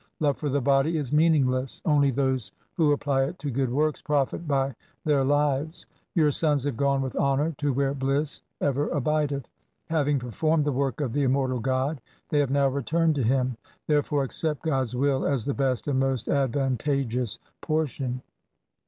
Love for the body is meaningless. Only those who apply it to good works profit by their lives. Your sons have gone with honour to where bliss ever abideth. Having performed the work of the immortal God they have now returned to Him. Therefore accept God's will as the best and most advantageous portion.